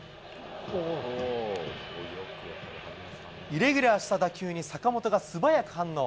イレギュラーした打球に、坂本が素早く反応。